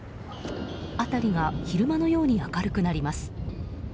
辺りが昼間のように明るくなります。